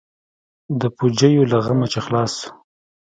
د پوجيو له غمه چې خلاص سو.